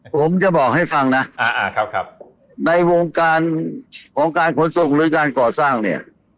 ผมจะบอกให้ฟังนะอ่าอ่าครับในวงการของการขนส่งหรือการก่อสร้างเนี่ย